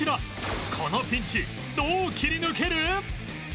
このピンチどう切り抜ける？